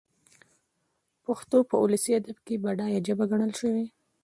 پښتو په اولسي ادب کښي بډايه ژبه ګڼل سوې.